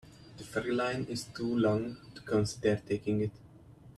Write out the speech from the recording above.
The ferry line is too long to consider taking it.